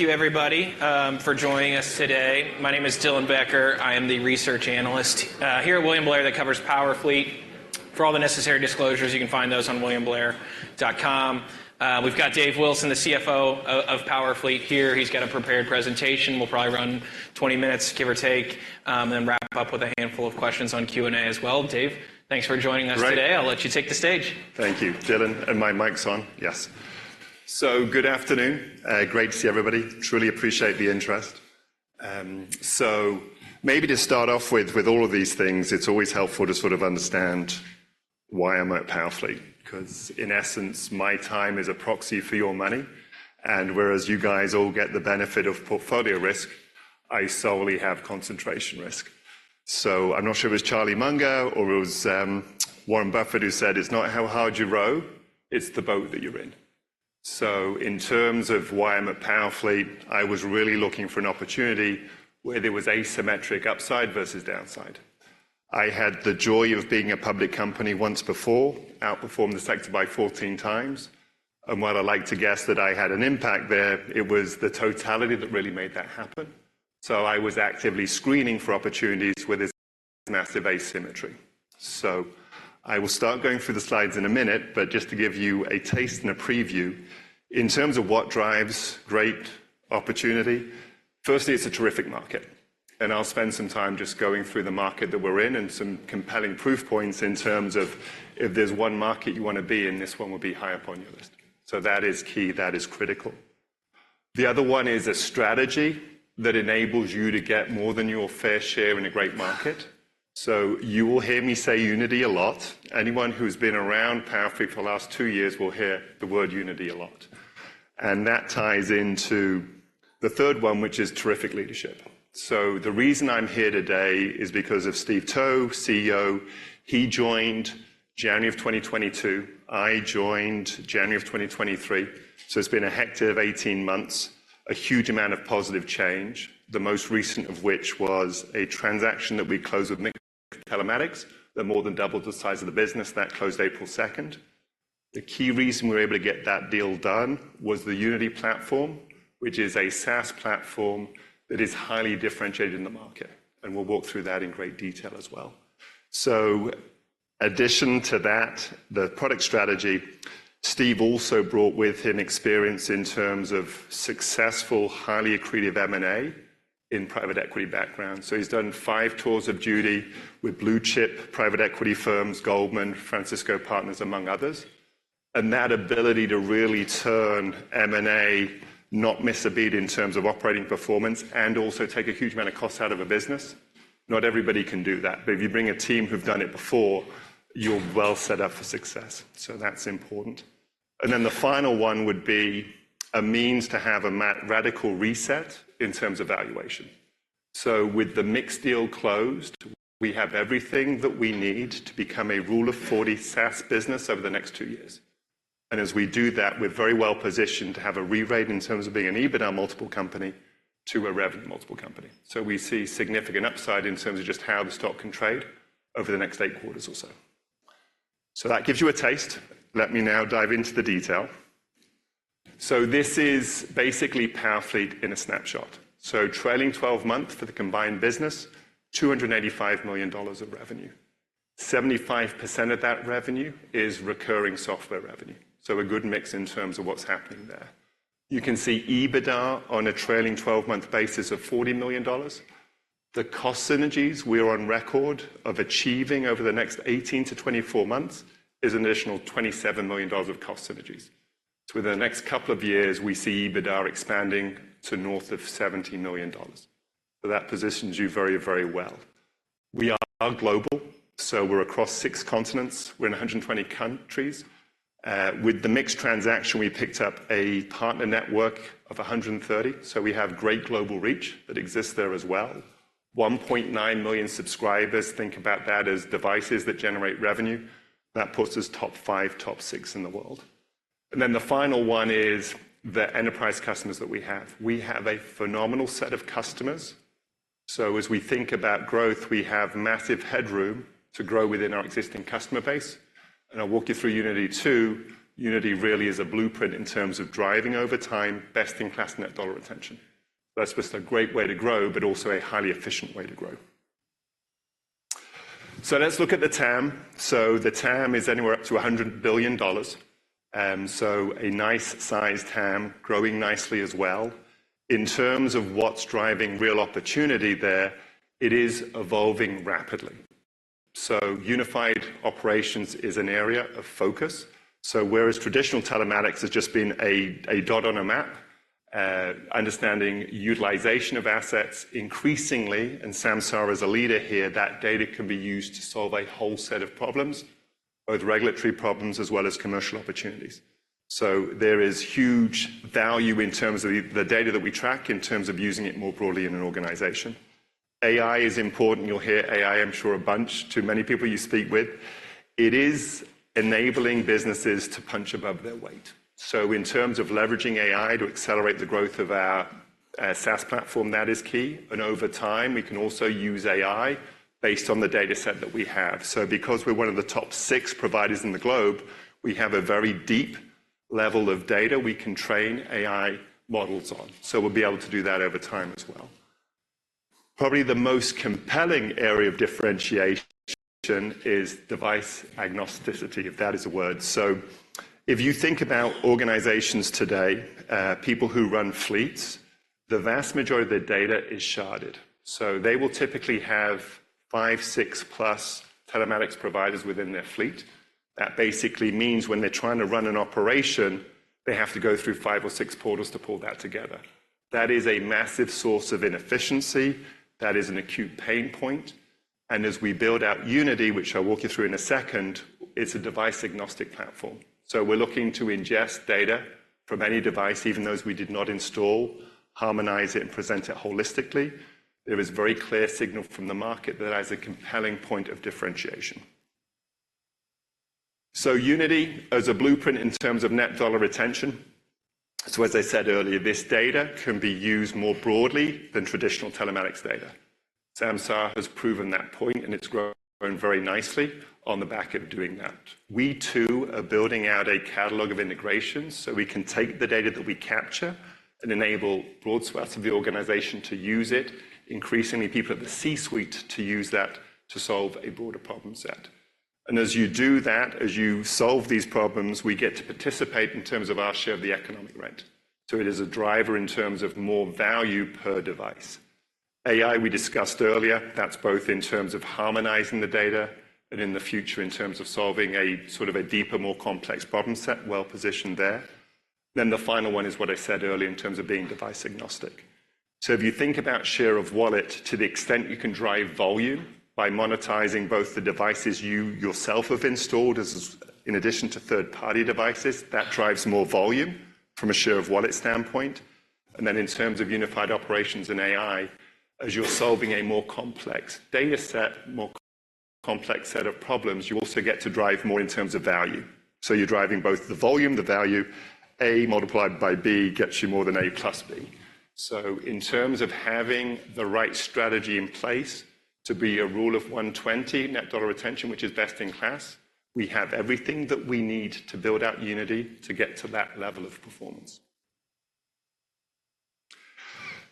Thank you everybody for joining us today. My name is Dylan Becker. I am the Research Analyst here at William Blair that covers Powerfleet. For all the necessary disclosures, you can find those on williamblair.com. We've got Dave Wilson, the CFO of Powerfleet here. He's got a prepared presentation. We'll probably run 20 minutes, give or take, and then wrap up with a handful of questions on Q&A as well. Dave, thanks for joining us today. Great. I'll let you take the stage. Thank you, Dylan. My mic's on? Yes. Good afternoon. Great to see everybody. Truly appreciate the interest. So maybe to start off with, with all of these things, it's always helpful to sort of understand why I'm at Powerfleet, 'cause in essence, my time is a proxy for your money, and whereas you guys all get the benefit of portfolio risk, I solely have concentration risk. I'm not sure if it was Charlie Munger or it was Warren Buffett who said, "It's not how hard you row, it's the boat that you're in." So in terms of why I'm at Powerfleet, I was really looking for an opportunity where there was asymmetric upside versus downside. I had the joy of being a public company once before, outperformed the sector by 14x, and while I like to guess that I had an impact there, it was the totality that really made that happen. So I was actively screening for opportunities where there's massive asymmetry. So I will start going through the slides in a minute, but just to give you a taste and a preview, in terms of what drives great opportunity, firstly, it's a terrific market. And I'll spend some time just going through the market that we're in and some compelling proof points in terms of if there's one market you wanna be in, this one will be high up on your list. So that is key, that is critical. The other one is a strategy that enables you to get more than your fair share in a great market. So you will hear me say Unity a lot. Anyone who's been around Powerfleet for the last two years will hear the word Unity a lot. That ties into the third one, which is terrific leadership. So the reason I'm here today is because of Steve Towe, CEO. He joined January of 2022. I joined January of 2023, so it's been a hectic 18 months, a huge amount of positive change, the most recent of which was a transaction that we closed with MiX Telematics, that more than doubled the size of the business. That closed April 2nd. The key reason we were able to get that deal done was the Unity platform, which is a SaaS platform that is highly differentiated in the market, and we'll walk through that in great detail as well. in addition to that, the product strategy, Steve also brought with him experience in terms of successful, highly accretive M&A in private equity background. So he's done five tours of duty with blue-chip private equity firms, Goldman, Francisco Partners, among others. And that ability to really turn M&A, not miss a beat in terms of operating performance, and also take a huge amount of cost out of a business, not everybody can do that. But if you bring a team who've done it before, you're well set up for success, so that's important. And then the final one would be a means to have a radical reset in terms of valuation. So with the MiX deal closed, we have everything that we need to become a Rule of 40 SaaS business over the next two years. As we do that, we're very well positioned to have a re-rate in terms of being an EBITDA multiple company to a revenue multiple company. So we see significant upside in terms of just how the stock can trade over the next eight quarters or so. So that gives you a taste. Let me now dive into the detail. So this is basically Powerfleet in a snapshot. So trailing 12-month for the combined business, $285 million of revenue. 75% of that revenue is recurring software revenue, so a good mix in terms of what's happening there. You can see EBITDA on a trailing twelve-month basis of $40 million. The cost synergies we are on record of achieving over the next 18-24 months is an additional $27 million of cost synergies. So within the next couple of years, we see EBITDA expanding to north of $70 million. So that positions you very, very well. We are global, so we're across six continents. We're in 120 countries. With the MiX transaction, we picked up a partner network of 130, so we have great global reach that exists there as well. 1.9 million subscribers, think about that as devices that generate revenue. That puts us top five, top six in the world. And then the final one is the enterprise customers that we have. We have a phenomenal set of customers. So as we think about growth, we have massive headroom to grow within our existing customer base, and I'll walk you through Unity, too. Unity really is a blueprint in terms of driving over time, best-in-class net dollar retention. That's just a great way to grow, but also a highly efficient way to grow. So let's look at the TAM. So the TAM is anywhere up to $100 billion, so a nice sized TAM, growing nicely as well. In terms of what's driving real opportunity there, it is evolving rapidly. So unified operations is an area of focus. So whereas traditional telematics has just been a dot on a map, understanding utilization of assets increasingly, and Samsara is a leader here, that data can be used to solve a whole set of problems, both regulatory problems as well as commercial opportunities. So there is huge value in terms of the data that we track, in terms of using it more broadly in an organization. AI is important. You'll hear AI, I'm sure, a bunch to many people you speak with. It is enabling businesses to punch above their weight. So in terms of leveraging AI to accelerate the growth of our SaaS platform, that is key. And over time, we can also use AI based on the data set that we have. So because we're one of the top 6 providers in the globe, we have a very deep level of data we can train AI models on. So we'll be able to do that over time as well. Probably the most compelling area of differentiation is device agnosticity, if that is a word. So if you think about organizations today, people who run fleets, the vast majority of their data is sharded. So they will typically have five, 6+ telematics providers within their fleet. That basically means when they're trying to run an operation, they have to go through five or six portals to pull that together. That is a massive source of inefficiency. That is an acute pain point, and as we build out Unity, which I'll walk you through in a second, it's a device-agnostic platform. So we're looking to ingest data from any device, even those we did not install, harmonize it, and present it holistically. There is very clear signal from the market that as a compelling point of differentiation. So Unity, as a blueprint in terms of net dollar retention, so as I said earlier, this data can be used more broadly than traditional telematics data. Samsara has proven that point, and it's grown, grown very nicely on the back of doing that. We, too, are building out a catalog of integrations, so we can take the data that we capture and enable broad swaths of the organization to use it, increasingly people at the C-suite, to use that to solve a broader problem set. And as you do that, as you solve these problems, we get to participate in terms of our share of the economic rent. So it is a driver in terms of more value per device. AI, we discussed earlier, that's both in terms of harmonizing the data and in the future, in terms of solving a sort of a deeper, more complex problem set, well-positioned there. Then the final one is what I said earlier, in terms of being device agnostic. So if you think about share of wallet, to the extent you can drive volume by monetizing both the devices you yourself have installed, as, in addition to third-party devices, that drives more volume from a share-of-wallet standpoint. And then in terms of unified operations and AI, as you're solving a more complex data set, more complex set of problems, you also get to drive more in terms of value. So you're driving both the volume, the value. A multiplied by B gets you more than A plus B. So in terms of having the right strategy in place to be a rule of 120 net dollar retention, which is best in class, we have everything that we need to build out Unity to get to that level of performance.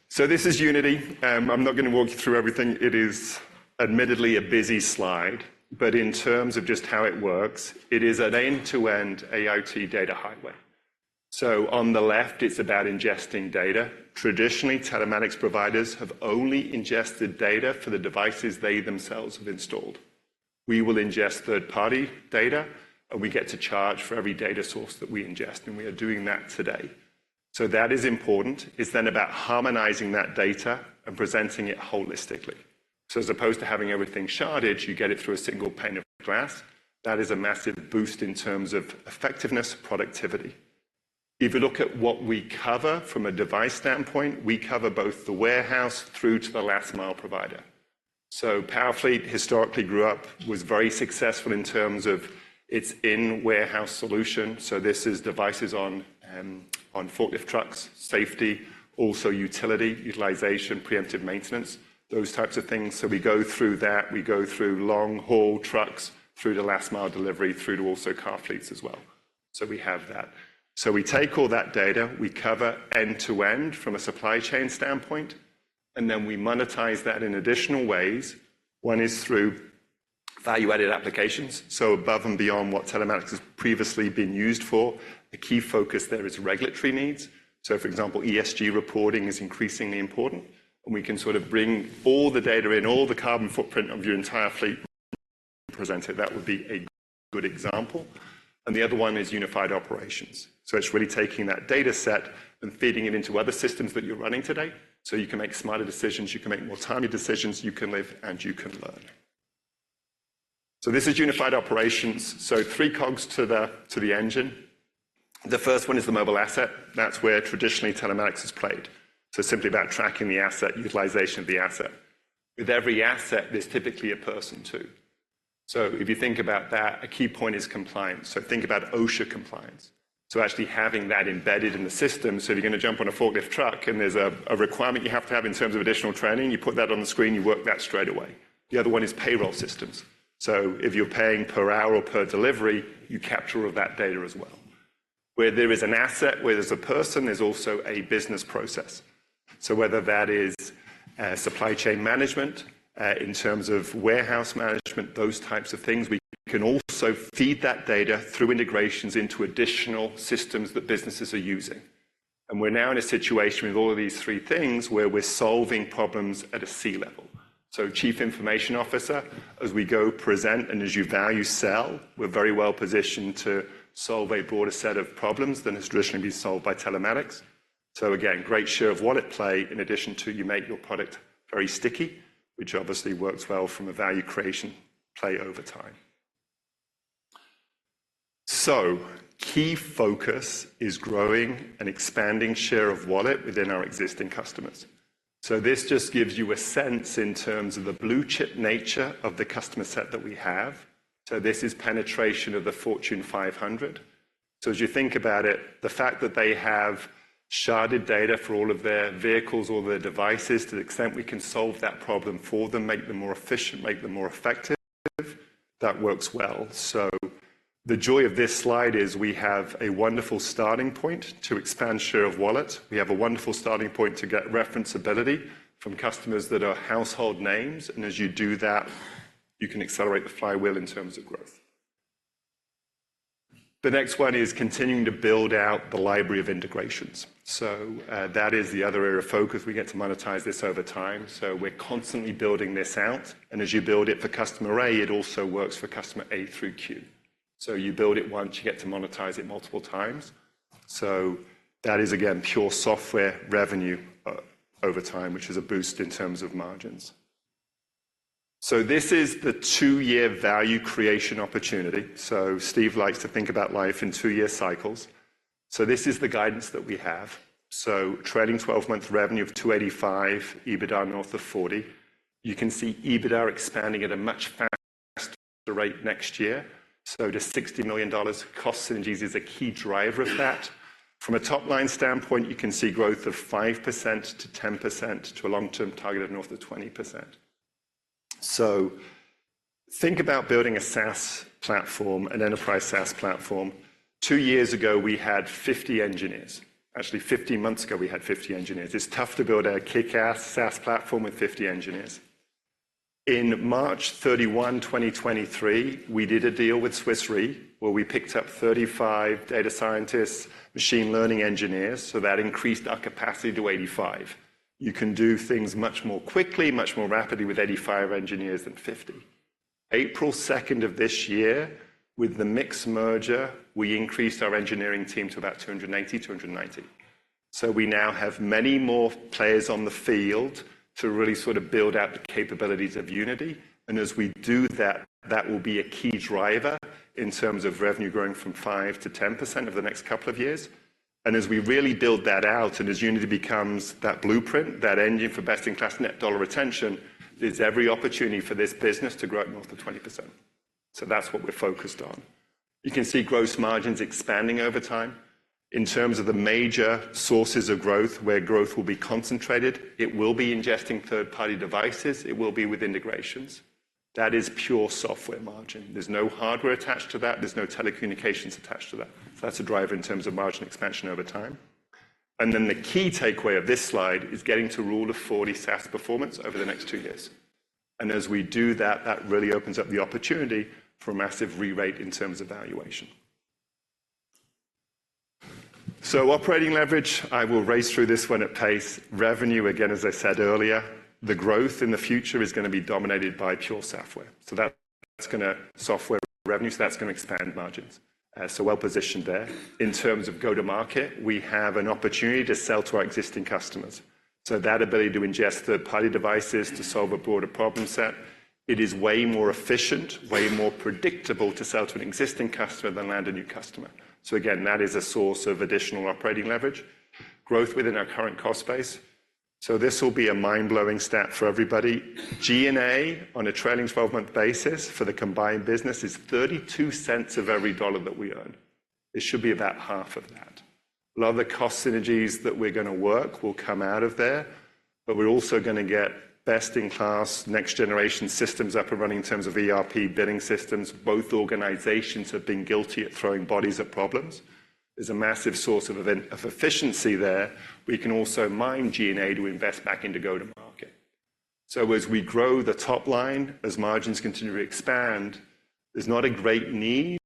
So this is Unity. I'm not gonna walk you through everything. It is admittedly a busy slide, but in terms of just how it works, it is an end-to-end IoT data highway. So on the left, it's about ingesting data. Traditionally, telematics providers have only ingested data for the devices they themselves have installed. We will ingest third-party data, and we get to charge for every data source that we ingest, and we are doing that today. So that is important. It's then about harmonizing that data and presenting it holistically. So as opposed to having everything sharded, you get it through a single pane of glass. That is a massive boost in terms of effectiveness, productivity. If you look at what we cover from a device standpoint, we cover both the warehouse through to the last mile provider. So Powerfleet historically grew up, was very successful in terms of its in-warehouse solution. So this is devices on, on forklift trucks, safety, also utility, utilization, preemptive maintenance, those types of things. So we go through that. We go through long-haul trucks, through the last mile delivery, through to also car fleets as well. So we have that. So we take all that data, we cover end to end from a supply chain standpoint, and then we monetize that in additional ways. One is through value-added applications, so above and beyond what telematics has previously been used for. The key focus there is regulatory needs. So for example, ESG reporting is increasingly important, and we can sort of bring all the data in, all the carbon footprint of your entire fleet, present it. That would be a good example. And the other one is unified operations. So it's really taking that data set and feeding it into other systems that you're running today, so you can make smarter decisions, you can make more timely decisions, you can live, and you can learn. So this is unified operations. So three cogs to the engine. The first one is the mobile asset. That's where traditionally telematics is played. So simply about tracking the asset, utilization of the asset. With every asset, there's typically a person, too. So if you think about that, a key point is compliance. So think about OSHA compliance. So actually having that embedded in the system, so if you're gonna jump on a forklift truck and there's a requirement you have to have in terms of additional training, you put that on the screen, you work that straight away. The other one is payroll systems. So if you're paying per hour or per delivery, you capture all that data as well. Where there is an asset, where there's a person, there's also a business process. Whether that is, supply chain management, in terms of warehouse management, those types of things, we can also feed that data through integrations into additional systems that businesses are using. We're now in a situation with all of these three things where we're solving problems at a C-level. Chief Information Officer, as we go present, and as you value sell, we're very well positioned to solve a broader set of problems than has traditionally been solved by telematics. Again, great share of wallet play, in addition to you make your product very sticky, which obviously works well from a value creation play over time. So key focus is growing and expanding share of wallet within our existing customers. So this just gives you a sense in terms of the blue-chip nature of the customer set that we have. So this is penetration of the Fortune 500. So as you think about it, the fact that they have sharded data for all of their vehicles, all their devices, to the extent we can solve that problem for them, make them more efficient, make them more effective, that works well. So the joy of this slide is we have a wonderful starting point to expand share of wallet. We have a wonderful starting point to get referenceability from customers that are household names, and as you do that, you can accelerate the flywheel in terms of growth. The next one is continuing to build out the library of integrations. So, that is the other area of focus. We get to monetize this over time, so we're constantly building this out, and as you build it for customer A, it also works for customer A through Q. So you build it once, you get to monetize it multiple times. So that is, again, pure software revenue, over time, which is a boost in terms of margins. So this is the two-year value creation opportunity. So Steve likes to think about life in two-year cycles. So this is the guidance that we have. So trailing twelve-month revenue of $285 million, EBITDA north of $40 million. You can see EBITDA expanding at a much faster rate next year. So the $60 million cost synergies is a key driver of that. From a top-line standpoint, you can see growth of 5%-10%, to a long-term target of north of 20%. So think about building a SaaS platform, an enterprise SaaS platform. Two years ago, we had 50 engineers. Actually, 15 months ago, we had 50 engineers. It's tough to build a kick-ass SaaS platform with 50 engineers. In March 31, 2023, we did a deal with Swiss Re, where we picked up 35 data scientists, machine learning engineers, so that increased our capacity to 85. You can do things much more quickly, much more rapidly with 85 engineers than 50. April 2nd of this year, with the MiX merger, we increased our engineering team to about 280-290. So we now have many more players on the field to really sort of build out the capabilities of Unity, and as we do that, that will be a key driver in terms of revenue growing from 5%-10% over the next couple of years. And as we really build that out, and as Unity becomes that blueprint, that engine for best-in-class net dollar retention, there's every opportunity for this business to grow at north of 20%. So that's what we're focused on. You can see gross margins expanding over time. In terms of the major sources of growth, where growth will be concentrated, it will be ingesting third-party devices, it will be with integrations. That is pure software margin. There's no hardware attached to that, there's no telecommunications attached to that. So that's a driver in terms of margin expansion over time. Then the key takeaway of this slide is getting to Rule of 40 SaaS performance over the next two years. As we do that, that really opens up the opportunity for a massive re-rate in terms of valuation. So operating leverage, I will race through this one at pace. Revenue, again, as I said earlier, the growth in the future is gonna be dominated by pure software. So that's gonna software revenue, so that's gonna expand margins. So well-positioned there. In terms of go-to-market, we have an opportunity to sell to our existing customers. So that ability to ingest third-party devices to solve a broader problem set, it is way more efficient, way more predictable to sell to an existing customer than land a new customer. So again, that is a source of additional operating leverage. Growth within our current cost base. So this will be a mind-blowing stat for everybody. G&A, on a trailing 12-month basis for the combined business, is 32 cents of every dollar that we earn. It should be about half of that. A lot of the cost synergies that we're gonna work will come out of there, but we're also gonna get best-in-class, next-generation systems up and running in terms of ERP, billing systems. Both organizations have been guilty of throwing bodies at problems. There's a massive source of efficiency there. We can also mine G&A to invest back into go-to-market. So as we grow the top line, as margins continue to expand, there's not a great need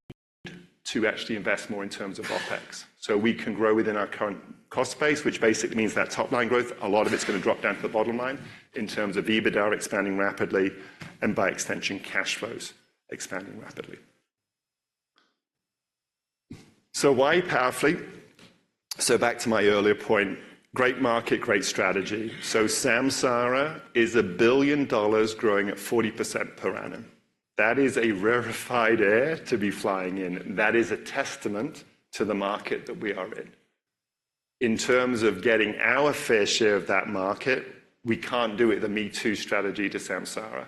to actually invest more in terms of OpEx. So we can grow within our current cost base, which basically means that top-line growth, a lot of it's gonna drop down to the bottom line in terms of EBITDA expanding rapidly, and by extension, cash flows expanding rapidly. So why Powerfleet? So back to my earlier point, great market, great strategy. So Samsara is $1 billion growing at 40% per annum. That is a rarefied air to be flying in. That is a testament to the market that we are in. In terms of getting our fair share of that market, we can't do it the me-too strategy to Samsara.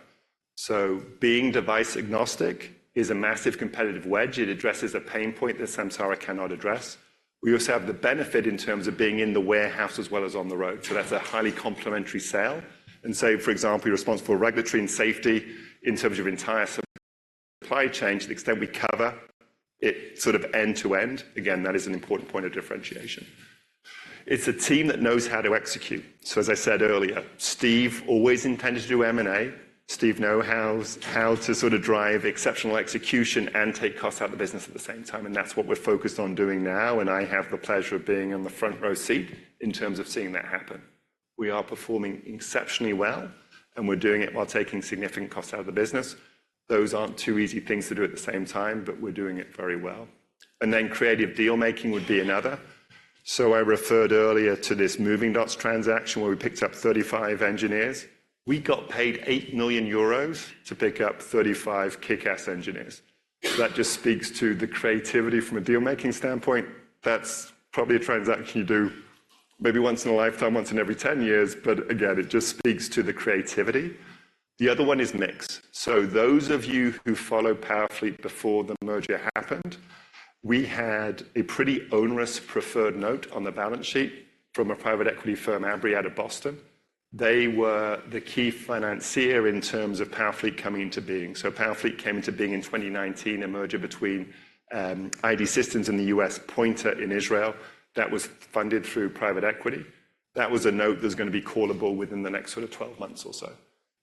So being device-agnostic is a massive competitive wedge. It addresses a pain point that Samsara cannot address. We also have the benefit in terms of being in the warehouse as well as on the road, so that's a highly complementary sale. Say, for example, you're responsible for regulatory and safety in terms of your entire supply chain, to the extent we cover it sort of end to end, again, that is an important point of differentiation. It's a team that knows how to execute. As I said earlier, Steve always intended to do M&A. Steve knows how, how to sort of drive exceptional execution and take costs out of the business at the same time, and that's what we're focused on doing now, and I have the pleasure of being in the front-row seat in terms of seeing that happen. We are performing exceptionally well, and we're doing it while taking significant costs out of the business. Those aren't two easy things to do at the same time, but we're doing it very well. Then creative deal-making would be another. So I referred earlier to this Movingdots transaction, where we picked up 35 engineers. We got paid 8 million euros to pick up 35 kick-ass engineers. That just speaks to the creativity from a deal-making standpoint. That's probably a transaction you do maybe once in a lifetime, once in every 10 years, but again, it just speaks to the creativity. The other one is MiX. So those of you who followed Powerfleet before the merger happened, we had a pretty onerous preferred note on the balance sheet from a private equity firm, Abry, out of Boston. They were the key financier in terms of Powerfleet coming into being. So Powerfleet came into being in 2019, a merger between, I.D. Systems in the U.S., Pointer in Israel. That was funded through private equity. That was a note that was going to be callable within the next sort of 12 months or so.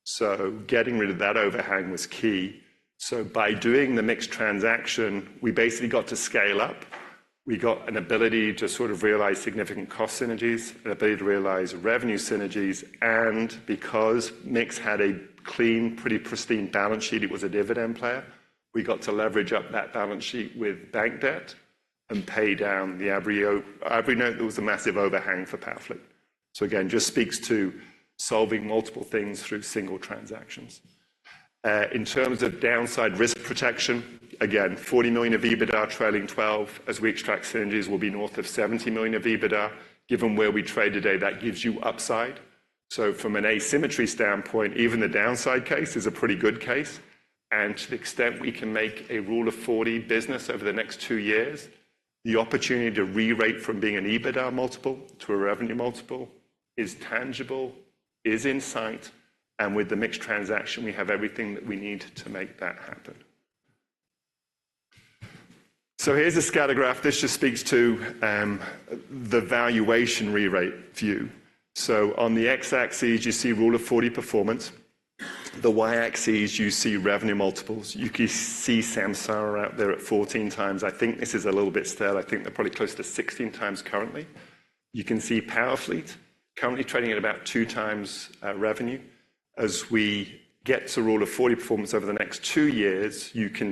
So getting rid of that overhang was key. So by doing the MiX transaction, we basically got to scale up. We got an ability to sort of realize significant cost synergies, an ability to realize revenue synergies, and because MiX had a clean, pretty pristine balance sheet, it was a dividend player, we got to leverage up that balance sheet with bank debt and pay down the Abry note. That was a massive overhang for Powerfleet. So again, just speaks to solving multiple things through single transactions. In terms of downside risk protection, again, $40 million of EBITDA trailing twelve, as we extract synergies, will be north of $70 million of EBITDA. Given where we trade today, that gives you upside. So from an asymmetry standpoint, even the downside case is a pretty good case, and to the extent we can make a Rule of 40 business over the next two years, the opportunity to re-rate from being an EBITDA multiple to a revenue multiple is tangible, is in sight, and with the MiX transaction, we have everything that we need to make that happen. So here's a scatter graph. This just speaks to, the valuation re-rate view. So on the x-axis, you see Rule of 40 performance. The y-axis, you see revenue multiples. You can see Samsara out there at 14x. I think this is a little bit stale. I think they're probably closer to 16x currently. You can see Powerfleet currently trading at about 2x, revenue. As we get to Rule of 40 performance over the next two years, you can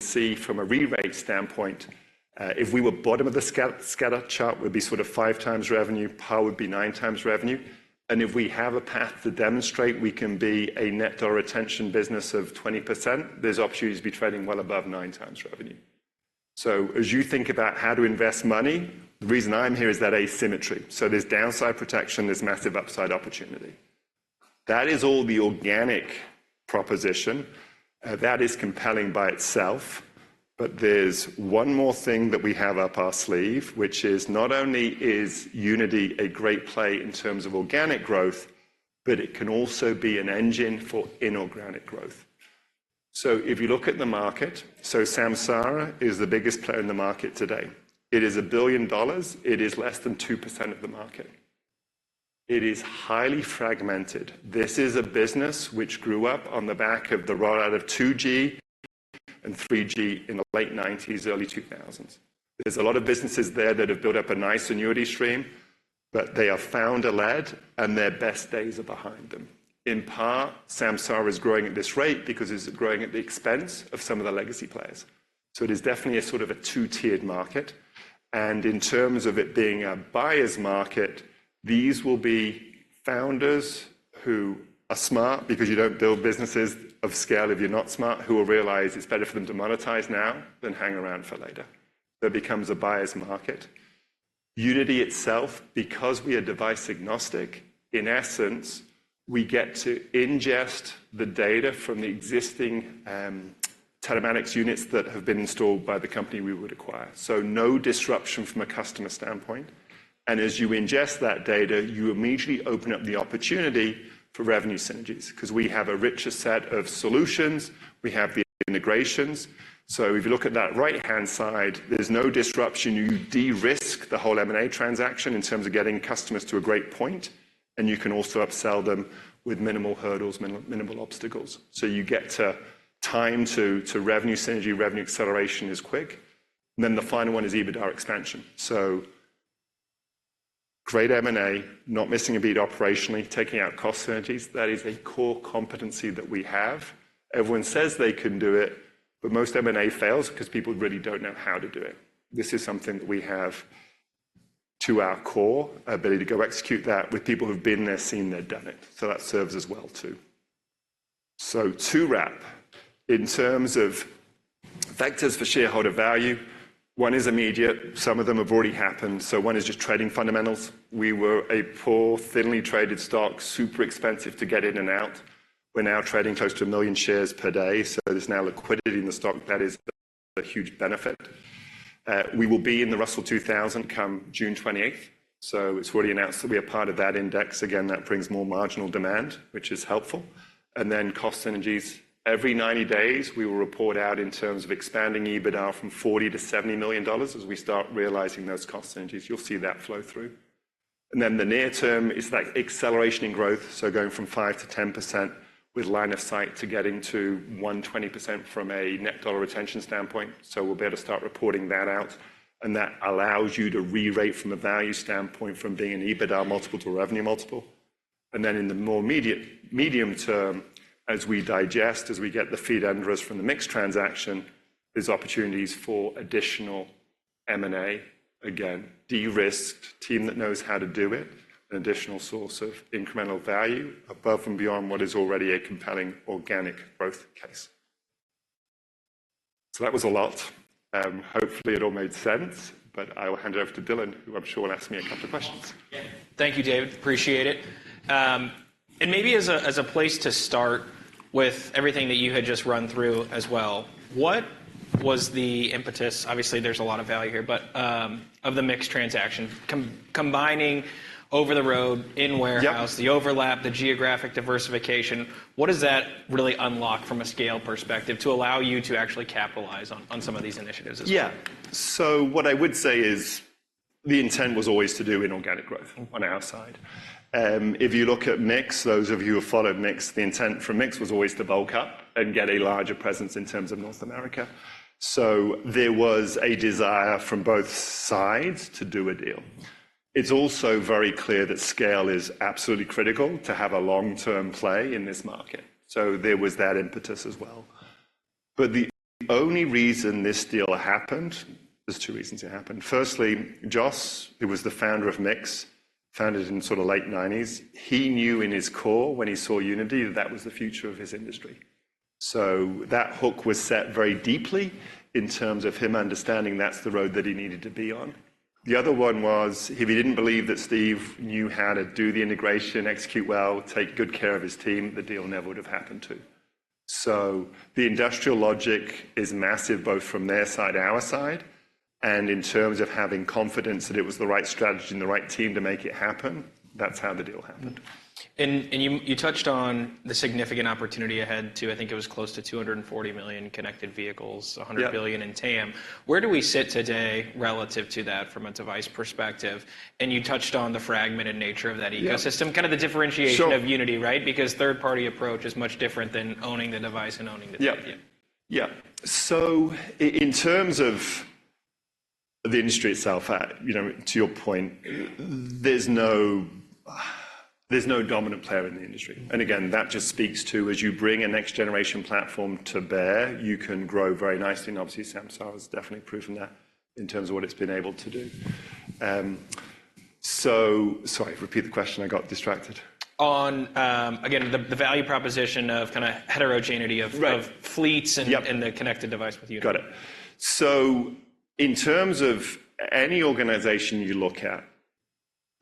see from a re-rate standpoint, if we were bottom of the scatter chart, would be sort of 5x revenue, Power would be 9x revenue. And if we have a path to demonstrate we can be a net dollar retention business of 20%, there's opportunities to be trading well above 9x revenue. So as you think about how to invest money, the reason I'm here is that asymmetry. So there's downside protection, there's massive upside opportunity. That is all the organic proposition. That is compelling by itself. But there's one more thing that we have up our sleeve, which is not only is Unity a great play in terms of organic growth, but it can also be an engine for inorganic growth. So if you look at the market, so Samsara is the biggest player in the market today. It is $1 billion. It is less than 2% of the market. It is highly fragmented. This is a business which grew up on the back of the rollout of 2G and 3G in the late nineties, early 2000s. There's a lot of businesses there that have built up a nice annuity stream, but they are founder-led, and their best days are behind them. In part, Samsara is growing at this rate because it's growing at the expense of some of the legacy players. So it is definitely a sort of a two-tiered market, and in terms of it being a buyer's market, these will be founders who are smart, because you don't build businesses of scale if you're not smart, who will realize it's better for them to monetize now than hang around for later. That becomes a buyer's market. Unity itself, because we are device-agnostic, in essence, we get to ingest the data from the existing telematics units that have been installed by the company we would acquire. So no disruption from a customer standpoint. And as you ingest that data, you immediately open up the opportunity for revenue synergies. 'Cause we have a richer set of solutions, we have the integrations. So if you look at that right-hand side, there's no disruption. You de-risk the whole M&A transaction in terms of getting customers to a great point, and you can also upsell them with minimal hurdles, minimal obstacles. So you get to time to revenue synergy, revenue acceleration is quick. Then the final one is EBITDA expansion. So great M&A, not missing a beat operationally, taking out cost synergies. That is a core competency that we have. Everyone says they can do it, but most M&A fails 'cause people really don't know how to do it. This is something that we have to our core ability to go execute that with people who've been there, seen it, done it. So that serves us well, too. So to wrap, in terms of vectors for shareholder value, one is immediate. Some of them have already happened, so one is just trading fundamentals. We were a poor, thinly traded stock, super expensive to get in and out. We're now trading close to 1 million shares per day, so there's now liquidity in the stock. That is a huge benefit. We will be in the Russell 2000 come June 28th, so it's already announced that we are part of that index. Again, that brings more marginal demand, which is helpful. And then cost synergies. Every 90 days, we will report out in terms of expanding EBITDA from $40 million-$70 million. As we start realizing those cost synergies, you'll see that flow through. And then the near term is that acceleration in growth, so going from 5%-10% with line of sight to getting to 120% from a net dollar retention standpoint. So we'll be able to start reporting that out, and that allows you to re-rate from a value standpoint from being an EBITDA multiple to a revenue multiple. And then in the more immediate-medium term, as we digest, as we get the feet under us from the MiX transaction, there's opportunities for additional M&A. Again, de-risked, team that knows how to do it, an additional source of incremental value above and beyond what is already a compelling organic growth case. So that was a lot. Hopefully it all made sense, but I will hand it over to Dylan, who I'm sure will ask me a couple of questions. Yeah. Thank you, David. Appreciate it. And maybe as a place to start with everything that you had just run through as well, what was the impetus? Obviously, there's a lot of value here, but of the MiX transaction, combining over-the-road, in-warehouse- Yep the overlap, the geographic diversification, what does that really unlock from a scale perspective to allow you to actually capitalize on, on some of these initiatives as well? Yeah. So what I would say is the intent was always to do inorganic growth- Mm On our side. If you look at MiX, those of you who have followed MiX, the intent from MiX was always to bulk up and get a larger presence in terms of North America. So there was a desire from both sides to do a deal. It's also very clear that scale is absolutely critical to have a long-term play in this market, so there was that impetus as well. But the only reason this deal happened. There's two reasons it happened: firstly, Joss, who was the founder of MiX, founded it in sort of late 1990s, he knew in his core when he saw Unity, that that was the future of his industry. So that hook was set very deeply in terms of him understanding that's the road that he needed to be on. The other one was, if he didn't believe that Steve knew how to do the integration, execute well, take good care of his team, the deal never would have happened, too. So the industrial logic is massive, both from their side to our side, and in terms of having confidence that it was the right strategy and the right team to make it happen. That's how the deal happened. And you touched on the significant opportunity ahead, too. I think it was close to 240 million connected vehicles- Yep. - $100 billion in TAM. Where do we sit today relative to that from a device perspective? And you touched on the fragmented nature of that ecosystem- Yeah Kind of the differentiation- Sure of Unity, right? Because third-party approach is much different than owning the device and owning the team. Yep. Yeah. So in terms of the industry itself, you know, to your point, there's no, there's no dominant player in the industry. And again, that just speaks to, as you bring a next-generation platform to bear, you can grow very nicely, and obviously, Samsara has definitely proven that in terms of what it's been able to do. So. Sorry, repeat the question. I got distracted. On, again, the value proposition of kinda heterogeneity of- Right of fleets and- Yep and the connected device with Unity. Got it. So in terms of any organization you look at,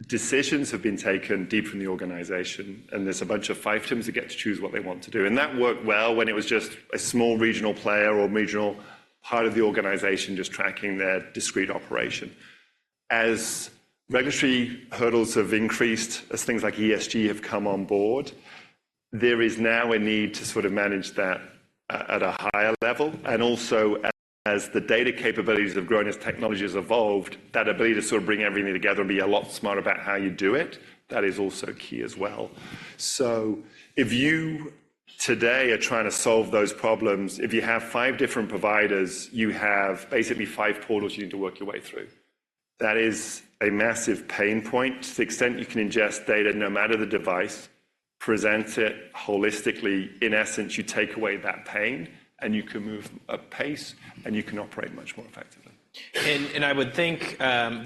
decisions have been taken deep from the organization, and there's a bunch of fiefdoms that get to choose what they want to do. And that worked well when it was just a small regional player or regional part of the organization just tracking their discrete operation. As regulatory hurdles have increased, as things like ESG have come on board, there is now a need to sort of manage that at a higher level, and also, as the data capabilities have grown, as technology has evolved, that ability to sort of bring everything together and be a lot smarter about how you do it, that is also key as well. So if you today are trying to solve those problems, if you have five different providers, you have basically five portals you need to work your way through. That is a massive pain point. To the extent you can ingest data, no matter the device, present it holistically, in essence, you take away that pain, and you can move apace, and you can operate much more effectively. I would think,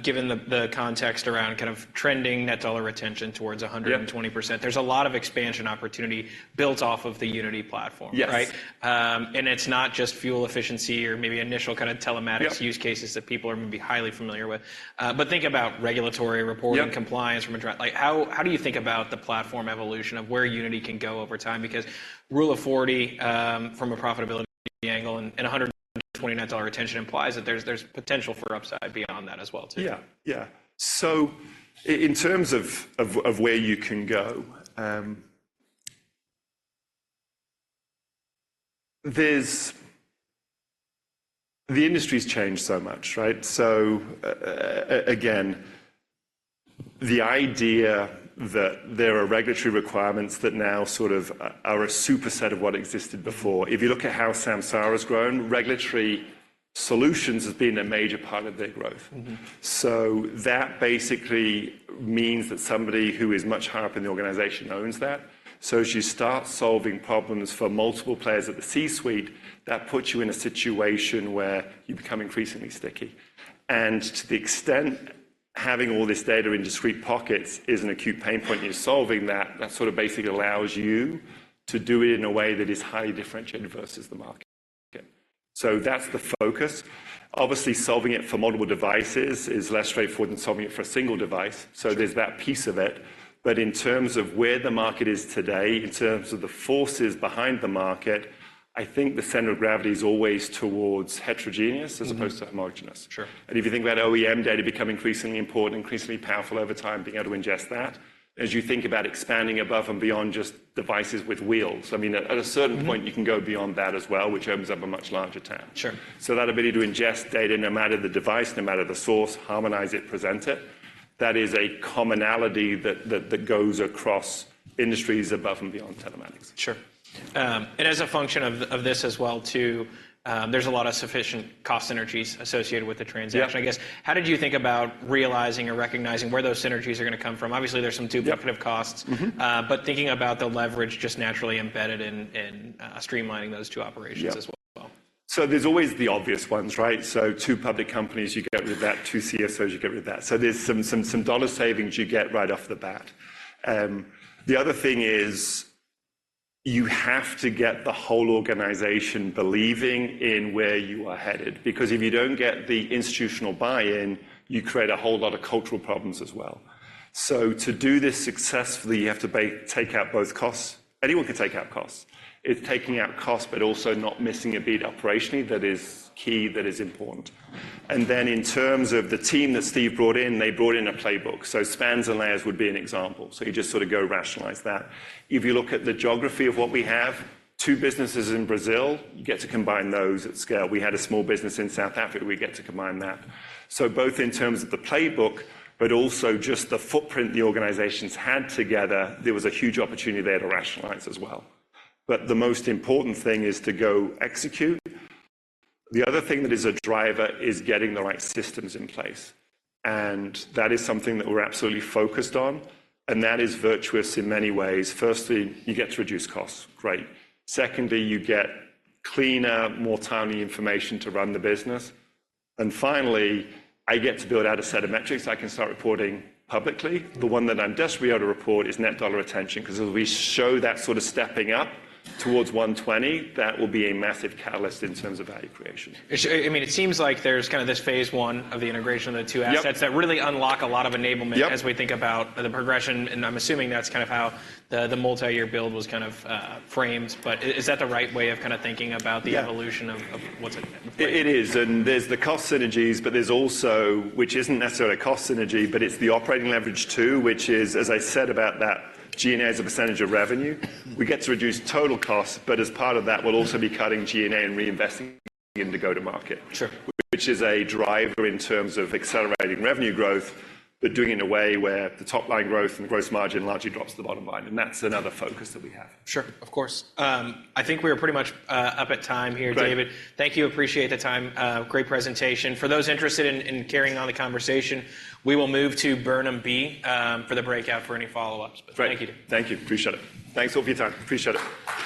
given the context around kind of trending net dollar retention towards 100- Yep and 20%, there's a lot of expansion opportunity built off of the Unity platform. Yes. Right? And it's not just fuel efficiency or maybe initial kinda telematics- Yep use cases that people are gonna be highly familiar with. But think about regulatory reporting- Yep compliance from a direct—like, how do you think about the platform evolution of where Unity can go over time? Because Rule of 40, from a profitability angle and 120 net dollar retention implies that there's potential for upside beyond that as well, too. Yeah, yeah. So in terms of where you can go, there's the industry's changed so much, right? So again, the idea that there are regulatory requirements that now sort of are a superset of what existed before, if you look at how Samsara has grown, regulatory solutions have been a major part of their growth. Mm-hmm. So that basically means that somebody who is much higher up in the organization owns that. So as you start solving problems for multiple players at the C-suite, that puts you in a situation where you become increasingly sticky. And to the extent having all this data in discrete pockets is an acute pain point, and you're solving that, that sort of basically allows you to do it in a way that is highly differentiated versus the market. So that's the focus. Obviously, solving it for multiple devices is less straightforward than solving it for a single device. Sure. So there's that piece of it, but in terms of where the market is today, in terms of the forces behind the market, I think the center of gravity is always towards heterogeneous- Mm-hmm as opposed to homogeneous. Sure. If you think about OEM data becoming increasingly important, increasingly powerful over time, being able to ingest that, as you think about expanding above and beyond just devices with wheels, I mean, at a certain point- Mm-hmm you can go beyond that as well, which opens up a much larger TAM. Sure. That ability to ingest data, no matter the device, no matter the source, harmonize it, present it, that is a commonality that goes across industries above and beyond telematics. Sure. As a function of this as well, too, there's a lot of sufficient cost synergies associated with the transaction. Yep. I guess, how did you think about realizing or recognizing where those synergies are gonna come from? Obviously, there's some duplicative costs. Yep. Mm-hmm. But thinking about the leverage just naturally embedded in streamlining those two operations- Yep as well? So there's always the obvious ones, right? So two public companies, you get rid of that. Two CFOs, you get rid of that. So there's some dollar savings you get right off the bat. The other thing is you have to get the whole organization believing in where you are headed, because if you don't get the institutional buy-in, you create a whole lot of cultural problems as well. So to do this successfully, you have to take out both costs. Anyone can take out costs. It's taking out costs, but also not missing a beat operationally, that is key, that is important. And then in terms of the team that Steve brought in, they brought in a playbook. So spans and layers would be an example. So you just sort of go rationalize that. If you look at the geography of what we have, two businesses in Brazil, you get to combine those at scale. We had a small business in South Africa, we get to combine that. So both in terms of the playbook, but also just the footprint the organizations had together, there was a huge opportunity there to rationalize as well. But the most important thing is to go execute. The other thing that is a driver is getting the right systems in place, and that is something that we're absolutely focused on, and that is virtuous in many ways. Firstly, you get to reduce costs. Great. Secondly, you get cleaner, more timely information to run the business. And finally, I get to build out a set of metrics I can start reporting publicly. The one that I'm desperate we ought to report is net dollar retention, 'cause as we show that sort of stepping up towards 120, that will be a massive catalyst in terms of value creation. I mean, it seems like there's kind of this phase I of the integration of the two assets- Yep That really unlocks a lot of enablement. Yep as we think about the progression, and I'm assuming that's kind of how the multi-year build was kind of framed. But is that the right way of kinda thinking about the- Yeah evolution of what's ahead? It is, and there's the cost synergies, but there's also, which isn't necessarily a cost synergy, but it's the operating leverage, too, which is, as I said about that, G&A as a percentage of revenue. We get to reduce total costs, but as part of that, we'll also be cutting G&A and reinvesting into go-to-market. Sure. Which is a driver in terms of accelerating revenue growth, but doing it in a way where the top line growth and gross margin largely drops to the bottom line, and that's another focus that we have. Sure. Of course. I think we are pretty much up at time here, David. Great. Thank you. Appreciate the time. Great presentation. For those interested in, in carrying on the conversation, we will move to Burnham B, for the breakout for any follow-ups. Great. Thank you. Thank you. Appreciate it. Thanks for your time. Appreciate it.